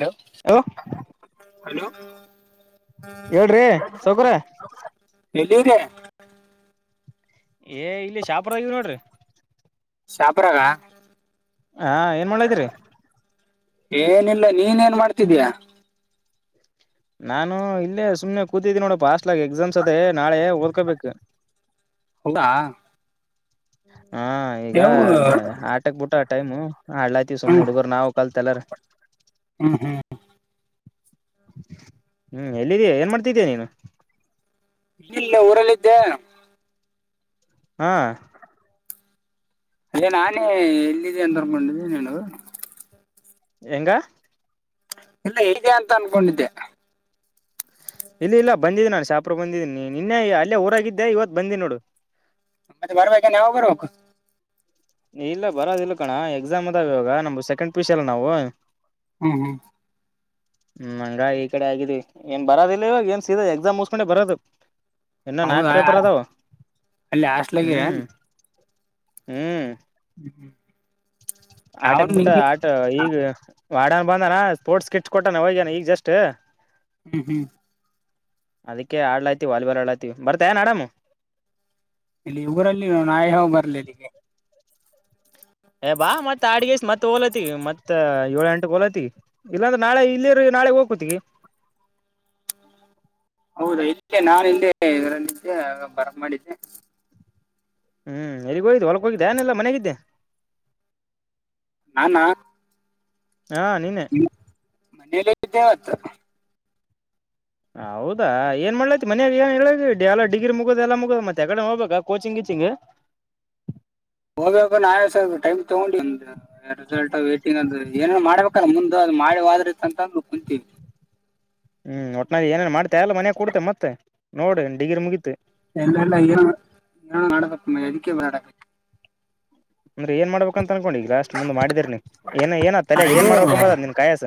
Hello. [inaudible] Hello. [inaudible] Hello. [inaudible] ಹೇಳ್ರಿ ಸೌಕರ [inaudible] ಏಲ್ಲಿದೆ. [inaudible] ಏ ಇಲ್ಲಿ ಶಾಪೂರದಾಗ ಇದೀನಿ ನೋಡಿರಿ. [inaudible] ಶಾಪೂರಾಗ. [inaudible] ಹಾ ಏನ್ ಮಾಡಲ್ಲತ್ತಿರಿ. [inaudible] ಏನ್ ಇಲ್ಲ ನೀನ್ ಏನ್ ಮಾಡ್ತಿದೀಯಾ. [inaudible] ನಾನು ಇಲ್ಲೇ ಸುಮ್ನೆ ಕೂತಿದ್ದೆ ನೋಡಪ್ಪಾ ಹಾಸ್ಟೆಲದಾಗ ಎಕ್ಸಾಮ್ಸ್ ಅದೇ ನಾಳೆ ಓದಕೋಬೇಕ. [inaudible] ಹೌದಾ. [unintelligible] ಹಾ ಈಗಾ ನೀವು ಬ ಆಟಕ್ ಬಿಟ್ಟವ ಟೈಮು ಆಡಾಲಾತ್ತಿ ಸುಮ್ನೆ ಹ್ಮ್ ಹುಡುಗರ್ ನಾವ್ ಕಲ್ತ [inaudible] ಕಲರ್. [inaudible] ಹ್ಮ್ ಹ್ಮ್. [unintelligible] ಹ್ಮ್ ಎಲ್ಲಿದೀ ಏನ್ ಮಾಡ್ತಿದ್ದೀಯಾ ನೀನು. [inaudible] ಇಲ್ಲಿ ಇಲ್ಲ ಊರಲ್ಲಿ ಇದ್ದೇ. [inaudible] ಹಾ. [inaudible] [inaudible] ಏ ನಾನೇ ಎಲ್ಲಿದೆ ಅಂದಿರ ಬಂದಿನೀ ನೋಡು. ಹೆಂಗಾ. [unintelligible] ಇನ್ನ ಎಲ್ಲದೆ ಅಂತ ಅನ್ಕೊಂಡಿದ್ದೆ. [inaudible] ಎಲ್ಲಿ ಇಲ್ಲ ಬಂದಿದ್ದೆ ನಾನ್ ಶಾಪೂರಗ ಬಂದಿದ್ದಿನಿ ನಿನ್ನೇ ಅಲ್ಲೇ ಊರಾಗ ಇದ್ದೇ ಇವತ್ತ ಬಂದೀನಿ ನೋಡು. [inaudible] ಮತ್ತೆ ಬರ್ಬೇಕ ಯಾವಗರ ಬರ್ಬೇಕು. [inaudible] ಇಲ್ಲ ಬರೋದ ಇಲ್ಲ ಕಣೋ ಎಕ್ಸಾಮ್ ಅದಾವ ಇವಾಗ ನಮ್ಮದು ಸೆಕೆಂಡ್ ಪಿಯುಸಿ ಅಲ್ಲ ನಾವು. [inaudible] ಹು ಹು. [inaudible] [inaudible] ಹ್ಮ್ ಹಂಗ ಆಗಿ ಈ ಕಡೆ ಆಗಿದೀವಿ ಏನ್ ಬರದಿಲ್ಲ ಇವಾಗ ಏನ್ ಸೀದ ಎಕ್ಸಾಮ್ ಮುಗುಸ್ಕೊಂಡೆ ಬರೋದು. [inaudible] ಇನ್ನ ನಾಲ್ಕ ಹೌದಾ ಪೇಪರ್ ಅದಾವ ಅಲ್ಲಿ ಹಾಸ್ಟ್ಲಾಗಿರ ಹ್ಮ್ ಹ್ಮ್. [inaudible] ಹ್ಮ ಹ್ಮ್. [inaudible] [inaudible] ಆಟಕ್ ಬಿಟ್ಟ ಆ ಟ ಈಗ ವಾಡನ್ ಬಂದಾನ ಸ್ಪೋರ್ಟ್ಸ್ ಕಿಟ್ಸ್ ಕೊಟ್ಟಾನ ಹೋಗ್ಯನ ಈಗ ಜಸ್ಟ್. [inaudible] ಹ್ಮ್ ಹ್ಮ್. [inaudible] ಅದಕ್ಕೆ ಆಡ್ಲಾತಿವಿ ವಾಲಬಾಲ್ ಆಡ್ಲಾತಿವಿ ಬರ್ತ್ ಏನ್ ಆಡಮ್ಮ. [inaudible] ಇಲ್ಲಿ ಊರಲ್ಲಿ ಇರುವ ನಾನ್ ಯಾವಗ ಬರ್ಲಿ ಇಲ್ಲಿಗೆ. [inaudible] ಏ ಬಾ ಮತ್ತ ಆಡಗ್ಯಾಸ್ ಮತ್ತ ಹೋಲತಿಗ ಮತ್ತ ಏಳ ಎಂಟ ಗೋಲ ಐತಿ. [inaudible] ಇಲ್ಲಾಂದರೆ ನಾಳೆ ಇಲ್ಲಿ ಇರ ನಾಳೆ ಹೋಗ್ಕೊತಿಗೆ. [inaudible] [inaudible] ಹೌದಾ ಇದಕ್ಕೆ ನಾನ ಹಿಂದೆ ಇದರ ನಿದ್ದೆ ಬರ ಮಾಡಿದ್ದೆ. ಹ್ಮ್ ಎಲ್ಲಿಗ ಹೋಗಿದೇ ಹೊಲಕ್ಕ ಹೋಗಿದಯಾ ಏನ್ ಇಲ್ಲ ಮನೆಗಿದ್ದೆ. [inaudible] ನಾನ್. [inaudible] ಹಾ ನೀನೇ. [inaudible] [inaudible] ನೀನ್ ಎಲ್ಲಿ ಹೋಗಿದ್ದೆ ಅವತ್ತ. [inaudible] ಹೌದಾ ಏನ್ ಮಾಡ್ಲೈತಿ ಮನ್ಯಾಗಯಲ್ಲಿ ಎಲ್ಲಿ ಅದಿರಿ ಎಲ್ಲ ಡಿಗ್ರಿ ಮುಗುದ ಎಲ್ಲಾ ಮುಗದದ ಮತ್ತ ಏಕಡೆ ಹೋಗ್ಬೇಕ ಕೋಚಿಂಗ್ ಕೀಚಿಂಗ್. [inaudible] ಹೋಗಬೇಕು ನಾನ್ ಸ್ವಲ್ಪ್ ಟೈ ತೋಗೊಂಡ [inaudible] ರಿಸಲ್ಟ್ ವೈಟಿಂಗ್ ಅಂದರ ಏನ್ ಏನರ ಮಾಡಬೇಕಲ್ಲ ಮುಂದ ಅದು ಮಾಡಿವಾದ್ರರಿ ಅಂತ ಅಂದ ಕುಂತೀವಿ. [inaudible] ಹ್ಮ್ ಒಟ್ಟನ್ಯಾಗ ಏನೇನ್ ಮಾಡ್ತಾ ಎಲ್ಲ ಮನೆ ಕೊಡ್ತೆ ಮತ್ತೇ ನೋಡಿ ಡಿಗ್ರರಿ ಮುಗೀತ. [inaudible] ಎಲ್ಲಲ್ಲ ಏನು ಮಾಡಬೇಕಪ್ಪ ಅದಿಕೇ ಓಡಾಕತ್ತಿನಿ. [inaudible] ಅಂದ್ರೆ ಏನ್ ಮಾಡಬೇಕ ಅಂತ ಅನ್ಕೊಂಡು ಈಗ ಲಾಸ್ಟ್ ಮುಂದ್ ಮಾಡಿದ್ರ ನೀನ್ ಏ ಏನಾದ ತಲೆಗ ಏನ್ ಇದು ಮಾಡ್ಬೇಕಂಬದ ಆದ ನಿನ್ ಕಾಯಸ.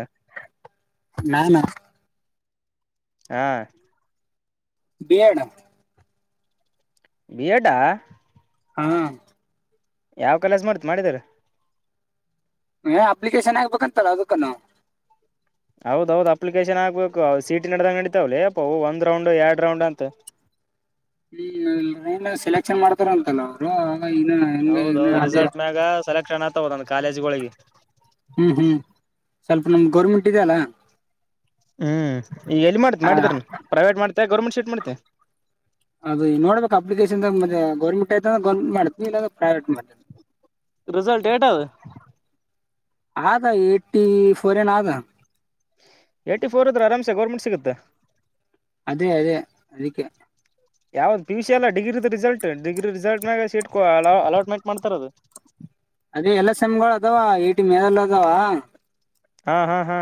ನಾನಾ ಹಾ ಬಿ ಎಡ ಬಿಯಡಾ ಹ್ಹ ಯಾವ್ ಕಾಲೇಜ್ ಮಾಡ್ತಿ ಮಾಡಿದರ. ಹೇ ಅಪ್ಲಿಕೇಶನ್ ಆಗ್ಬೇಕ ಅಂತಲ್ಲ ಅದಕ್ಕ ನಾವು ಹೌದೌದು ಅಪ್ಲಿಕೇಶನ್ ಆಗ್ಬೇಕು ಸಿ ಇ ಟಿ ನಡದಾಗ ನಡಿತವ್ ಲೇ ಅಪ್ಪ ಅವು ಒಂದ ರೌಂಡ್ ಎರಡ್ ರೌಂಡ್ ಅಂತ. ಹ್ಮ್ ಏನು ಸೆಲೆಕ್ಷನ್ ಮಾಡ್ತಾರ ಅಂತಲ್ಲ ಅವರು ಇನ್ನು ಹೆಂಗೆ ಇನ್ನು ಹೌದೌದು ಅದೇ ರಿಸಲ್ಟ್ ಮ್ಯಾಗ ಸೆಲೆಕ್ಷನ್ ಆಗ್ತವ ಒಂದೊಂದ್ ಕಾಲೇಜ್ಗಳಿಗಿ. ಹ್ಮ್ ಹ್ಮ್ ಸ್ವಲ್ಪ ನಿಮ್ದ ಗೌರ್ಮೆಂಟ್ ಇದೆ ಅಲ್ಲಾ. ಹ್ಮೂ ಈ ಎಲ್ಲಿ ಮಾಡ್ತಿ ಆ, ಮಾಡಿದರ ನೀ ಪ್ರೈವೇಟ್ ಮಾಡ್ತೆ ಗೌರ್ಮೆಂಟ್ ಶೀಟ್ ಮಾಡ್ತೆ. ಅದು ನೋಡಬೇಕ ಅಪ್ಲಿಕೇಶನ್ದಾಗ ಮತೆ ಗವರ್ಮಂಟ್ ಆಯ್ತಂದ್ರ ಗವರ್ಮಂಟ್ ಮಾಡತಿನಿ ಇಲ್ಲ ಅಂದ್ರ ಪ್ರೈವೇಟ್ ಮಾಡ್ತನಿ. ರಿಸಲ್ಟ್ ಏಟಾದ ಆದ ಏಟೀ ಫೋರ್ ಏನ್ ಆದ. ಏಟಿ ಫೋರ್ ಇದ್ರ ಅರಾಂಸೆ ಗೌರ್ಮೆಂಟ್ ಸೀಟ್ ಸಿಗುತ್ತೆ. ಅದೇ ಅದೇ ಅದಿಕ್ಕೆ. ಯಾವ್ ಪಿ ಯು ಸಿ ಅಲ್ಲ ಡಿಗ್ರಿದ ರಿಸಲ್ಟ್ ಡಿಗ್ರಿ ರಿಸಲ್ಟ್ಮಾಗ ಸೀಟ್ ಅ ಅಲೋಟ್ಮೆಂಟ್ ಮಾಡ್ತರದು. ಅದೇ ಎಲ್ಲಾ ಸೆಮ್ಗಳು ಅದಾವ ಏಟಿ ಮೇಲ್ ಅದಾವ. ಹಾ ಹಾ ಹಾ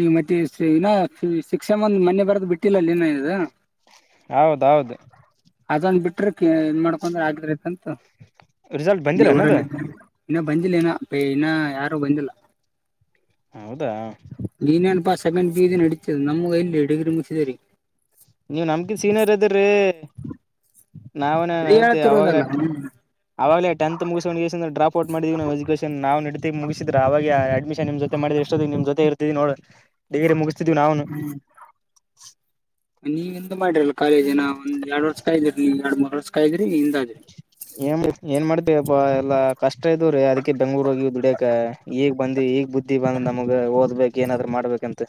ಈ ಮತ್ತೆ ಸಿ ಇನ್ನಾ ಸಿಕ್ಸ್ತ ಸೆಮ್ಮ ಮೊನ್ನೆ ಬರದು ಬಿಟ್ಟಿಲ್ಲಲ್ಲಿ ಇನ್ನ ಇದೂ. ಹೌದೌದು ಅದೊಂನ್ ಬಿಟ್ರೆ ಕಿ ಇನ್ ಮಾಡ್ಕೊಂದ್ ಆಕಿ ಅಂತ ರಿಸಲ್ಟ್ ಇಲ್ಲಿ ಬಂದಿಲ್ಲನದು ಊರಲ್ಲಿ ಇನ್ನ ಬಂದಿಲ್ಲ ಇನ ಇನ್ನಾ ಯಾರು ಬಂದಿಲ್ಲ. ಹೌದಾ ನೀನ ಏನ್ ಪಾ ಸೆಮೆಂಬ್ ಬಿ ಅದಿ ನೆಡಿತಾದ ನಮಗ ಎಲ್ಲಿ ಡಿಗ್ರಿ ಮುಗ್ಸಿದವ್ರಿಗಿ. ನೀವು ನಮ್ಗಿನ್ ಸೀನಿಯರ್ ಅದ್ರೀ ನಾವೇನ್ ಅದೇ ಇವ್ನೇತಿ ಯವಾಗಲ ಹೇಳ್ತಿರೋದಲ್ಲ ಅಟೆ. ಹ್ಮ್ ಅವಾಗಲೇ ಟೆಂತ್ ಮುಗಿಸ್ಗೊಂಡ್ಗೇಸಿಂದ ಡ್ರಾಪ್ ಔಟ್ ಮಾಡಿದವಿ ಎಜುಕೇಶನ್ ನಾವುನ ಇಟತಿಗೆ ಮುಗಿಸಿದ್ರ ಅವಾಗೆ ಆ ಅಡ್ಮಿಷನ್ಮ್ ಮಾಡಿದ್ರ ಇಷ್ಟತಿಗೆ ನಿಮ್ ಜೊತೆ ಇರ್ತೀದ್ದಿವಿ ನೋಡ್ ಡಿಗ್ರಿ ಮುಗಿಸ್ತದ್ದಿವಿ ನಾವುನು. ನೀವ ಎಂತ ಮಾಡಿರಲ್ಲ ಕಾಲೇಜಿನ ಒಂದ್ ಎರಡ್ ವರ್ಷ ಕಾಯ್ದಿರಿ ನೀ ಎರಡ್ ಮೂರ್ ವರ್ಷ ಕೈಗ್ರಿ ನಿಂದಾದ್ರಿ. ಏನ್ ಏನ್ ಮಾಡ್ತಿಪಾ ಎಲ್ಲಾ ಕಷ್ಟ ಇದವ್ರೀ ಅದಕ್ಕೆ ಬೆಂಗ್ಳೂರ್ ಹೋಗಿ ದುಡಿಯಕ. ಈಗ ಬಂದಿವಿ ಈಗ್ ಬುದ್ಧಿ ಬಂದದ ನಮಗ್ ಓದ್ಬೇಕ್ ಏನಾದ್ರು ಮಾಡ್ಬೇಕಂತ.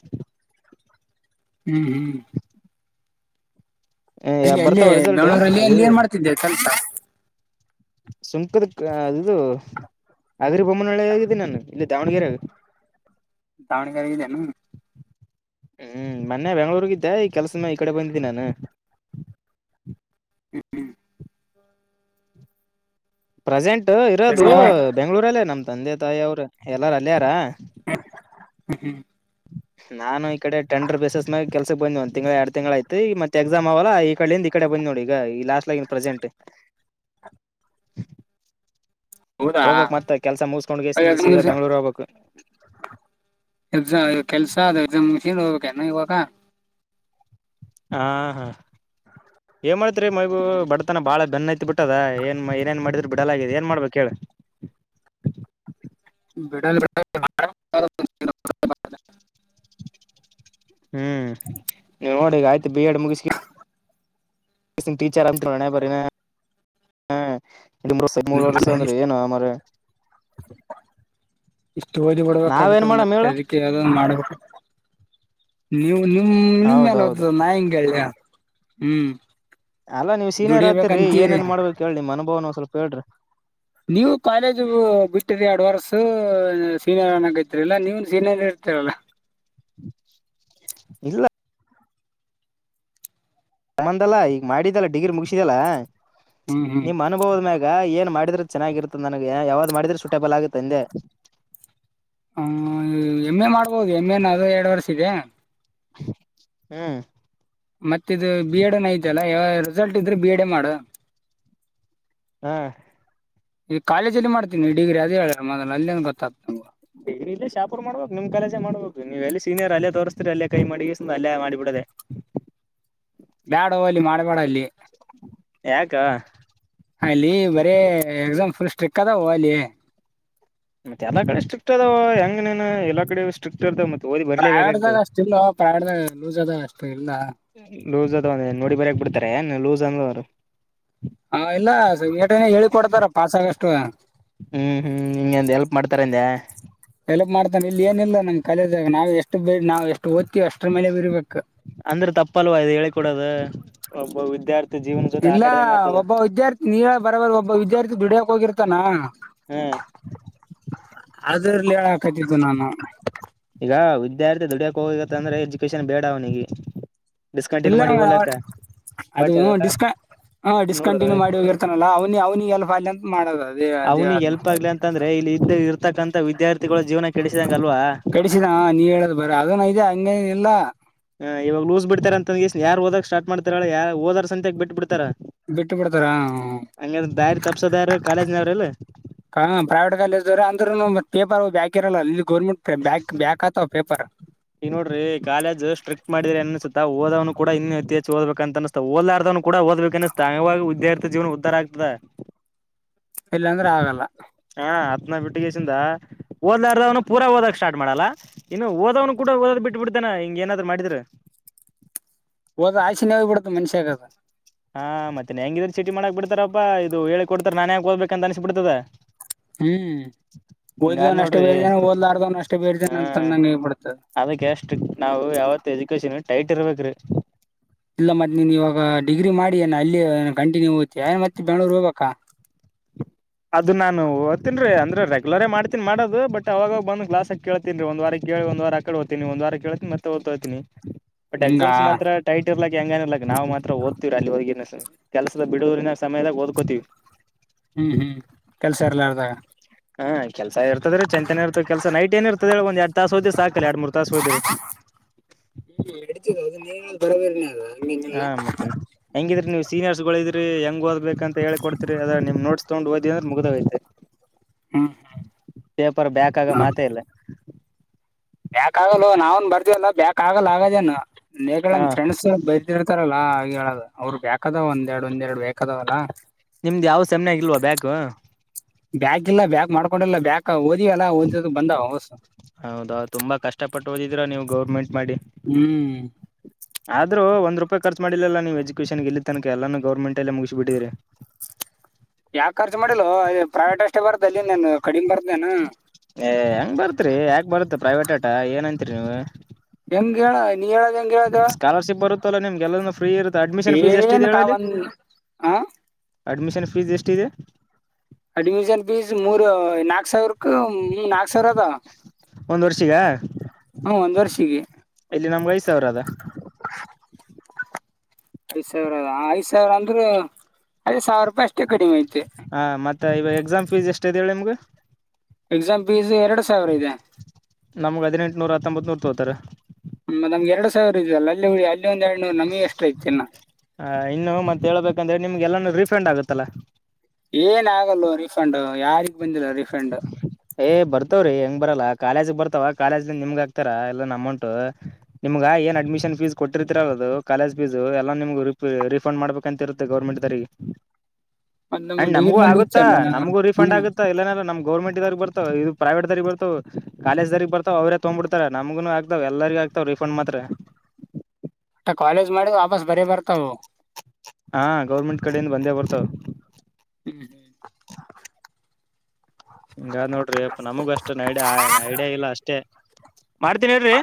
ಹ್ಮ್ ಹ್ಮ್ ಏ ಅಲ್ಲಿ ಅಲ್ಲಿ ಬರ್ತಾವ ರಿಸಲ್ಟ್ ಬೆಂಗಳೂರಲ್ಲಿ ಅದು ಅಲ್ಲಿ ಏನ್ ಮಾಡ್ತಿದ್ದೆ ಕೆಲ್ಸ. ಸುಂಕದಕ ಅ ಇದು. ಅಗರಿ ಬೊಮ್ಮನಳ್ಳೆ ಆಗಿದ್ದೆ ನಾನು ಇಲ್ಲಿ ದಾವಣಗೆರೆಗ. ದಾವಣಗೆರೆಗೆ ಈದೆನು. ಹ್ಮ್ ಮೊನ್ನೆ ಬೆಂಗ್ಳೂರ್ಗಿದ್ದೆ ಈ ಕೆಲ್ಸ ಈ ಕಡೆ ಬಂದಿದ್ದಿ ನಾನು. [unintelligible] ಪ್ರೆಸೆಂಟ್ ಇರೋದು ಹ್ಮ್ ಬೆಂಗ್ಗಳೂರಲ್ಲೇ ನಮ್ ತಂದೆ ತಾಯಿ ಅವರು ಎಲ್ಲಾರ ಅಲ್ಲಿಯಾರ. ಹ್ಮ ಹ್ಮ ಹ್ಮ್ [inaudible] ನಾನು ಈ ಕಡೆ ಟೆಂಡರ್ ಬೆಸಸ್ ಮ್ಯಾಗ ಕೆಲ್ಸಕ್ಕೆ ಬಂದ ಒಂದ್ ತಿಂಗಳ ಎರಡ್ ತಿಂಗಳ ಆಯಿತು ಮತ್ತ ಎಕ್ಸಾಮ್ ಅವಲ್ಲ ಈ ಕಡೆಯಿಂದ ಈ ಕಡೆ ಬಂದ್ ನೋಡ ಈಗ ಈ ಲಾಸ್ಟ್ ಆಗನ್ ಪ್ರೆಸೆಂಟ್. ಹೌದಾ ಹೋಗ್ಬೇಕ್ ಮತ್ತೆ ಕೆಲ್ಸ ಮುಸ್ಕೊಂಡ್ ಎ ಸೀದಾ ಬೆಂಗ್ಳೂರ್ ಹೋಗ್ಬೇಕ್ ಎಕ್ಸಾಮ ಕೆಲ್ಸಾ ಅ ಎಕ್ಸಾಮ್ ಮುಗೀಷ ಹೋಗ್ಬೇಕ ಎನ ಇವಾಗಾ ಹ ಹಾ ಏನ್ ಮಾಡ್ತ್ರಿ ಮೈಬುಬೂ ಬಡತನ ಬಾಳ ಬೆನ್ನ ಹತಿ ಬಿಟ್ತ ಟ್ಟದ ಏನ್ ಏ ಏನ್ ಮಾಡಿದ್ರರು ಬಿಡಲ ಆಗಿದೆ ಏನ್ ಮಾಡ್ಬೇಕು ಹೇಳ ಬಿಡಲ್ಲ್ ಹ್ಈ ನೋಡ ಈಗ ಆಯ್ತು ಬಿ ಎಡ್ ಮುಗಿಸಿ ಟೀಚರ್ ಅಂತು ಹಣೆಬರಹ ಇನ್ ಎರಡ ಮೂರ್ ಮೂರ್ ವರ್ಷ ಅಂದ್ರೆ ಏನ ಮಾರಾಯಾ ಇಷ್ಟು ಓದಿ ನಾವ್ ಏನ್ ಬಿಡ್ಬೇಕಾಗತದ ಮಾಡಮ್ ಮತ್ತೆ ಹೇಳು ಅದಕ್ಕೆ ಯಾವ್ದಾದ ಮಾಡ್ಬೇಕು. ನೀವು ನಿಮ ನಿಮ್ಮೆಲ್ಲ್ ಹೌದೌದು ಹೋತದ ನಾ ಹೆಂಗ ಹೇಳ ಹ್ಮ್ ಅಲ್ಲಾ ನೀವ ಸೀನಿಯರ್ ಆತರಿ ಏನ ದುಡಿಬೇಕಂತೀರಿ ಏನ್ ಮಾಡಬೇಕ ಹೇಳಿ ನಿಮ್ಮ ಅನುಭವನ ಒಂದ ಸ್ವಲ್ಪ ಹೇಳ್ರಿ ನೀವು ಕಾಲೇಜ್ ಬಿಟ್ಟಿರಿ ಅಡ್ವಾನ್ಸ್ ಸೀನಿಯರ್ ಅನಾಕತ್ರಿಅಲ್ಲಾ ನೀವು ಸೀನಿಯರ್ ಕೇರಳಾ ಇಲ್ಲಾ ಮ್ಮಂದಲ್ಲಾ ಈಗ ಮಾಡಿದಲ್ಲಾ ಡಿಗ್ರಿ ಮುಗಸಿದಲ್ಲಾ ಹ್ಮ್ ಹ್ಮ್ ನಿಮ್ಮ ಮ ಅನುಬೋದ್ಮ್ಯಾಗ ಏನ್ ಮಾಡಿದ್ರೆ ಚೆನ್ನಾಗಿರುತ್ತದ ನನಗ ಎನ್ ಯಾವ್ದ್ ಮಾಡಿದ್ರೆ ಸೂಟೇಬಲ್ ಆಗುತ್ತೆ ಅಂದೆ ಹ ಎಮ್ ಎ ಮಾಡ್ಬೋದು ಎಮ್ ಎ ನ ಅದು ಎರಡ್ ವರ್ಷ ಇದೆ. ಹ್ ಮತ್ತ ಇದು ಬಿ ಎಡ್ ಐತಲ್ಲಾ ಯಾವ ರಿಸಲ್ಟ್ ಇದ್ರೆ ಬಿ ಎಡ್ ಮಾಡು ಹಾ ಈ ಕಾಲೇಜ್ ಅಲ್ಲಿ ಮಾಡ್ತೀನ ಡಿಗ್ರಿದೇ ಅದ ಹೇಳ ಮೊದಲ ಅಲ್ಲಿಂದ ಗೊತ್ತಾಗತದ ಡಿಗ್ರಿ ಇಲ್ಲೇ ಶಾಪುರ್ ಮಾಡ್ಬೇಕು ನಿಮ್ ಕಾಲೇಜ್ ಮಾಡ್ಬೇಕು ನೀವ್ ಸೀನಿಯರ್ ಅಲ್ಲೇ ತೋರಿಸ್ತೀರಿ ಅಲ್ಲೇ ಕೈ ಮಾಡಿ ಅಲ್ಲೇ ಮಾಡಿಬಿಡೊದೆ ಬ್ಯಾಡವೋ ಅಲ್ಲಿ ಮಾಡಬೇಡ ಅಲ್ಲಿ ಯಾಕ್ ಅಲ್ಲಿ ಬರೀ ಎಕ್ಸಾಮ್ ಫುಲ್ ಸ್ಟ್ರಿಕ್ ಅದವೊ ಅಲ್ಲಿ ಮತ್ತ ಎಲ್ಲಾ ಕಡೆ ಸ್ಟ್ರೀಕ್ ಅದವೊ ಹೆಂಗ ನೀನು ಎಲ್ಲಾ ಕಡೆಸ್ಟಿಷ್ಟ [unintelligible] ಪ್ರೈವೇಟ್ ದಾಗ ಅಷ್ಟು ಇಲ್ವೊ ಪ್ರೈವೇಟ್ ಲೂಸ್ ಅದ್ ಅಷ್ಟ ಇಲ್ಲಾ ಲೂಸ್ ಅದಾವ ನೋಡಿ ಬರಕ್ ಬಿಡ್ತಾರೆ ಏನು ಲೂಸ್ ಅಂದ ಅವ್ರು. ಹಾ ಇಲ್ಲಾ ಸಂಘಟನೆ ಹೇಳಿ ಕೊಡ್ತಾರ ಪಾಸ್ ಆಗಷ್ಟು. ಹುಂ ಹುಂ ಹೆಂಗ ಎಲ್ಪ್ ಮಾಡ್ತಾರಂದೆ ಎಲ್ಪ್ ಮಾಡ್ತಾನ ಇಲ್ಲಿ ಏನಿಲ್ಲಾ ನಮ್ ಕಲದಾಗ ನಾವ್ ಎಷ್ಟು ಬ ನಾವ್ ಎಷ್ಟು ಓತೀವಿ ಅಷ್ಟ್ರ ಮೇಲೆ ಬರೀರ್ಬೇಕ ಅಂದ್ರೆ ತಪ್ಪಲ್ವಾ ಇದು ಹೇಳಿ ಕೊಡೋದು ಒಬ್ಬ ವಿದ್ಯಾರ್ಥಿ ಜೀವನ ಜೊತೆ ಆಟ ಇಲ್ಲಾ ಆಡ್ದಂಗ ಆಗ್ತದ ಒಬ್ಬ ವಿದ್ಯಾರ್ಥಿ ನೀಳ ಬರಬಾರು ಒಬ್ಬ ವಿದ್ಯಾರ್ಥಿ ದುಡಿಯಕ್ ಹೋಗಿರ್ತಾನ ಹುಂ ಅದರ್ಲ್ಲಿ ಹೇಳಾಕತಿದ್ದು ನಾನು ಈಗ ವಿದ್ಯಾರ್ಥಿ ದುಡ್ಯಕ ಹೋಗಿತ್ತ ಅಂದ್ರೆ ಎಜುಕೇಶನ್ ಬೇಡಾ ಅವನಿಗೆ ಡಿಸ್ಕಂಟಿನ್ಯೂ ಇಲ್ಲಾ ಮಾಡಿ ಹೋಲಕ್ಕ ಅದು ಬಟ್ ಡಿಸ್ ಹ ನೋಡು ಡಿಸ್ಕಂಟಿನ್ಯೂವ ಮಾಡಿ ಹೋಗಿರ್ತ ತಲ್ಲಾ ಅವನಿ ಅವ್ನಿಗೆ ಎಲ್ ಅಲ್ ಮಾಡೋದು ಅದೇನ್ ಅವ್ನಿಗೆ ಹೇಲ್ಪ್ ಆಗ್ಲಿ ಅಂತಂದ್ರೆ ಇಲ್ಲಿ ಇದ್ದ ಇರ್ತಕ್ಕಂತ ವಿದ್ಯಾರ್ಥಿಗಳು ಜೀವನ ಕೆಡಿಸಿದಂಗ ಅಲ್ವಾ ಕಡಿಸಿದ ನೀ ಹೇಳದು ಬರ ಅದು ನಿಜಾ ಹಂಗೇನಿಲ್ಲಾ ಹಾ ಇವಾಗ ಲೂಸ್ ಬಿಡ್ತಾರ ಅಂದಂಗ ಯಾರ ಹೋದಾಗ ಸ್ಟಾರ್ಟ್ತಾರಳಾ ಯಾರ ಓದಾರ ಸಂತೆಗ್ ಬಿಟ್ಟ ಬಿಡ್ತಾರ ಬಿಟ್ಟು ಬಿಡ್ತಾರ ಅಂಗದರ ದಾರಿ ತಪಸದ ಯಾರ ಕಾಲೇಜನರ ಅಲ್ಲ. ಹ ಪ್ರೈವೇಟ್ ಕಾಲೇಜ್ವ್ರ ಅಂದ್ರರುನು ಪೇಪರ್ ಬಕಿ ಇರಲ್ಲ ಇಲ್ಲಿ ಗೌರ್ಮೆಂಟ್ ಬ್ಯಾಕ್ ಬ್ಯಾಕ್ ಆತವ ಪೇಪರ್. ಈ ನೋಡ್ರಿ ಕಾಲೇಜ್ ಸ್ಟ್ರಿಕ್ಟ್ ಮಾಡಿದ್ರ ಅನಿಸಸುತ್ತಾ ಓದ್ನು ಕೂಡ ಇನ್ನು ಹೆಚ್ಚು ಓದಬೇಕ ಅನಿಸ್ತದ ಓದಲಾರ್ದ್ನು ಕೂಡ ಓದ್ಬೇಕು ಅನ್ಸುತ್ತೆ ಅವಾಗ ವಿದ್ಯಾರ್ಥಿ ಜೀವನ ಉದ್ಧರ ಆಗ್ತದ. ಇಲ್ಲಾಂದ್ರೆ ಆಗಲ್ಲ. ಹಾ ಹತ್ನ ಬಿಟ್ಟಿಗೆಸಿಂದ ಓದಲಾರ್ದವನು ಪೂರ ಓದಕ್ ಸ್ಟಾರ್ಟ್ ಮಾಡಲ್ಲ ಇನ್ನು ಓದವ್. ಕೂಡ ಹೋದ್ ಬಿಟ್ ಬಿಡತಾನ ಇಂಗ ಏನಾದ್ರ ಮಾಡಿದ್ರ.. ಒದ್ದದು ಆಸೆ ಹವು ಬಿಡತ ಮನುಷ್ಯಗದ ಹಾ ಮತ್ತೆನ್ ಹೆಂಗಿದ್ರ ಚೀಟಿ ಮಾಡಕ್ ಬಿಡ್ತಾರಪ್ಪಾ ಇದು ಹೇಳಿ ಕೊಡ್ತ ನನ್ಂ ದ್ಬೇಕ ಅನ್ಸಬಿಡ್ತದ. ಹ್ಮ್ ಓದ್ದವ್ ಅಷ್ಟೇ ನೋಡ್ರಿ ಬೇರ್ಜನ ಓದ್ಲಾರ್ದವ್ನ ಅಷ್ಟೇ ಬೇರ್ಜನ ಅಂತ ಅಂಗೆ ಆಗಿ ಬಿದ್ಯಾತ್ತದ ಸ್ಟ್ರಿಕ್ ನಾವು ಯಾವತ್ ಎಜುಕೇಶನ್ ಟೈಟ್ ಇರ್ಬೇಕ ರೀ. ಇಲ್ಲ ಮತ್ತೆ ನೀನ್ ಇವಾಗ ಡಿಗ್ರಿ ಮಾಡಿ ನ ಅಲ್ಲಿ ಕಂಟಿನ್ಯೂ ಓ್ತ ಮತ್ತೆ ಬೆಂಗ್ಳೂರು ಹೋಗ್ಬೇಕಾ. ಅದು ನಾನು ಹೋಗ್ತೀನಿ ರಿ ಅಂದ್ರೆ ರೆಗ್ಯುಲರೇ ಮಾಡ್ತೀನಿ ಮಾಡದು ಬಟ್ ಅವಾಗ ಬಂದು ಕ್ಲಾಸ್ಕ್ ಕೇಳ್ತೀನಿಒಂದ್ ವಾರ ಕೇಳಿ ಒಂದ್ ವಾರ. ಕಡೆ ಹೋತೀನಿ ಒಂದ್ ವಾರ ಕೇಳ್ತನ ಮತ್ತ ದ್ತ [unintelligible] ಹೋತನಿ ಬಟ್ ಹಿಂಗಾ ಎಕ್ಸಾಮ್ಸ್ ಮಾತ್ರ. ಟೈಟ್ ಇರ್ಲಿಕ್ ಹೆಂಗ ಇರ್ಲಿಕ್ ನಾ ಮಾತ್ರ ಓದತಿೀವಿ ಅಲ್ಲಿ ಹಗಿಿನ ಕೆಲಸದ ಬಿಡೋರಿನ ಸಮಯದ ಓದ್ಕೋತಿವಿ. ಹ್ಮ್ ಹ್ಮ್ ಕೆಲ್ಸ ಇರಲಾರದಾಗ. ಹಾ ಕೆಲ್ಸ ಇರ್ತದರಿ ಚಂತೆಂತನೆ ಇರ್ತದೆ ಕೆಸೈಟ್ ಏ ಇರ್ತದ ಒಂದ ಎರಡ್ ತಾಸ ಹೊತ್ತಿವಿ ಸಾಕಲ್ಲ ಎರಡ್ ಮೂ ತಾಸ ಹೋತ್ತಿವಿ ಸಾಕ ಅಲ್ಲ ಹ್ಮ್ ನಡಿತದೇ ಅದು ನೀವ ಬರಬೇರನ [unintelligible] ಅಲ್ಲ. ಹಾ ಮತ್ತೆ ಹೆಂಗಿದ್ರಿ ನೀವ್ ಸೀನಿಯರ್ಸ್ ಗಳು ಇದ್ರಿ ಹೆಂಗ್ ಓದ್ಬೇಕು. ಯಂತ ಹೇಳಿ ಕೊಡ್ತಿೀರಿ ಅದ ನಿಮ ನೋಡ್ಸ್ಕೊಂಡು ಓದಿದ್ರೆ ಮುಗೋಗೈತೆ. ಹ್ಮ್ ಪೇಪರ್ ಬ್ಯಾಕ್ ಆಗ ಮಾತೇ ಇಲ್ಲ. ಬ್ಯಾಕ್ ಆಗಲ್ಲೋ ನಾವನ್ ಬರ್ತಿವಲ್ಲ ಬ್ಯಾಕ್ ಆಗಲ್ಲ ಆಗದೇನ ಹಾ ನೆಗುಲಾಮ್ ನಮ್ ಫ್ರೆಂಡ್ಸ್ ಬ. [unintelligible] ಇರ್ತಾರಲ್ಲ ಆಗ ಹೇಳದು ಅವ್ರು ಬ್ಯಾಕ್ ಅದಾವ ಒಂದೆರಡು ಒಂದೆರಡು ಬ್ಯಾಕ್ ಅದವಲ್ಲಾ.. ನಿಮ್ದು ಯಾವ್ ಸೇಮ್ ನಾಗ್ ಇಲ್ವಾ ಬ್ಯಾಕ್. ಬ್ಯಾಕ್ ಇಲ್ಲ ಬ್ಯಾಕ್ ಮಾಡ್ಕೊಂಡಲ್ಲ ಬ್ಯಾಕ್ ಓದಿವ ಎಲ್ಲ ಓದಿದ್ವು ಬಂದವ ಅವಸು. ಹೌದಾ ತುಂಬಾ ಕಷ್ಟಪಟ್ಟು ಓದಿದಿರಾ ನೀವು ಗೌರ್ಮೆಂಟ್ ಮಾಡಿ. ಹ್ಮ್. [unintelligible] ಆದ್ರೂ ಒಂದು ರೂಪಾಯಿ ಖರ್ಚ ಮಾಡಿಲ್ಲಲ್ಲ ನೀವು ಎಜುಕೇನ್ಗೆಲ್ಲಿ ತನಕ ಎಲ್ಲಾನೂ ಗವರ್ನಮೆಂಟ್ ಎಲ್ಲೇ ಮುಗಿಸಿ ಬಿಟ್ಟಿದೀರಿ. ಯಾಕ ಖರ್ಚು ಮಾಡಿಲ್ಲೋ ಅ ಪ್ರೈವೇಟ್ ಅಷ್ಟೇ ಬರುತ ಅಲ್ಲಿ ನನ್ ಕಡಿಮೆ ಬರ್ದೇನೇನು.. ಏ ಹೆಂಗ್ ಬರ್ತ್ರಿ ಯಾಕ ಬರತ್ ಪ್ರೈವೇಟ್ ಆಟ ಏನ್ತ್ರಿ ನೀವು.. ಹೆಂಗ್ ಹೇಳ. ನೀ ಹೇಳದ ಹೆಂಗ ಹೇಳದ ಸ್ಕಾಲರ್ಶಿಪ್ ಬರುತ್ತಲ್ಲ ನಿಮ್ಗೆಲ್ಲೂಎಲ್ಲಾನೂ ಫ್ರೀ ಇರುತ್ತೆ ಅಡ್ಮಿಷನ್ ಫೀಸ್ ಏನ್ ಎಷ್ಟಿದೆ ಕಾ ಹೇಳಲ್ಲಿ ಅಲ್ಲಿ ಒಂದ್ ಹ ಅಡ್ಮಿಷನ್ ಫೀಸ್ ಎಷ್ಟ ಇದೆ. ಅಡ್ಮಿಷನ್ ಫೀಸ್ ಮೂರ್ ನಾಲ್ಕೂ ಸಾವಿರಕ ನಾಕ್ ಸಾವಿರ ಅದ. ಒಂದು ವರ್ಷ ಕ್ಕೆ ಹ್ಮ ಒಂದ್ ವರ್ಷಿಗೆ. ಇಲ್ಲಿ ನಮ್ಗೆ ಐದು ಸಾವಿರ ಅದ. ಐದ್ ಸಾವಿರ ಅದ ಐದ ಸಾವಿರ ಅಂದ್ರೆ ಅದದು ಸಾವಿರ ರೂಪಾಯಿ ಅಷ್ಟೇ ಕಡಿಮೆ ಐತೆ. ಹಾ ಮತ್ತೆ ಈವ ಎಕ್ಸಾಮ್ ಫೀಸ್ ಎಷ್ಟ ಇದೆ ಹೇಳಿ ನಿಮ್ಗ. ಎಕ್ಸಾಮ್ ಫೀಸ್ ಎರಡು ಸಾವಿರ ಇದೆ. ನಮ್ಗ್ ಹದಿನೆಂಟುನೂರ ಹತ್ತೊಂಬತ್ ನೂರ್ ತಗೋತಾರ. ನಮ್ಗೆರಡ್ ಸಾವಿರ ಇದದೆಲ್ಲ ಅಲ್ಲಿ ಅಲ್ಲಿಂದ ಎರಡು ನೂರು ನಮಗೆ ಎಷ್ಟ್ರ ಐತಿ ಇನ್ನ. ಹ ಇನ್ನು ಮತ್ತ ಹೇಳ್ಬೇಕಂದ್ರೆ ನಿಮ್ಗೆ ಎಲ್ಲಾನ ರಿಫಂಡ್ ಆಗತ್ತಲ್ಲಾ. ಏನ ಆಗಲ ರಿ ಫಂಡ್ ಯಾರಿಗ್ ಬಂದಿಲ್ಲ ರರಿಫಂಡ್ ಹೇ ಬರ್ತವ್ರಿ ಹೆಂಗ್ ಬರಲ್ಲ ಕಾಲೇಜಗ್ ಬರ್ತವ ಕಾಲೇಜ್ ನಿಮ್ಗ ಆಗ್ತಾರ ಎಲ್ಲ ಅಮೌಂಟು ನಿಮ್ಗ ಏನ್ ಅಡ್ಮಿಶನ್ ಫೀಜ್ ಕೊಟ್ಟರ್ತಿರಲ್ಲ ಅದು ಕಾಲೇಜ್ ಫೀಜ್ ಎಲ್ಲ ನಿಮ್ ರಿಫ್ ರಿಫಂಡ್ ಮಾಡ್ಬೇಕ ಅಂತ್ ಇರು ಗೌರ್ಮೆಂಟ್ ದರಿಗೆ ಮತ್ತೆ [inaudible] ನಮ್ಗೆ ಅಂಡ್ ನಮಗೂ ಡಿಗ್ರಿನ ಆಗುತ್ತಾ ಮುಗಿತಲ್ಲ ನಮಗೂ ರರಿಫಂಡ್ ಹ್ಮ್ ಆಗುತ್ತಾ ಇಲ್ಲ ನಮ್ ಗೌರ್ಮೆಂಟ್ದರ್ಗ ಬರ್ತವ ಇದು ಪ್ರೈವೇಟ್ ದರ ಬರ್ತವ ಕಾಲೇಜ್ ದಾರ ಬರ್ತವ ಅವ್ರೇ ತಗೊಂಡ್ ಬಿಡತಾರ ನಮ್ಗೂ ಆಗ್ತಾವ ಎಲ್ಲರಿಗ ಆಗ್ ಆಗ್ತಾವ್ ರಿಫಂಡ್ ಮಾತ್ರ. ಟ ಕಾಲೇಜ್ ಮಾಡಿದ್ ವಾಪಸ್ ಬರೀ ಬರ್ತಾವು. ಹಾ ಗೌರ್ಮೆಂಟ್ ಕಡೆಯಿಂದ ಬಂದೇ ಬರ್ತಾವ್ [unintelligible] ಹಿಂಗಾದ್ ನೋಡ್ರಿ ಯಪ್ಪಾ ನಮುಗ್ ಅಷ್ಟೇ ನೆಗ್ಡಿ ನೆಗ್ಡಿ ಆಗಿಲ್ಲ ಅಷ್ಟೇ ಮಾಡ್ತೀನಿ ಇರ್ರಿ.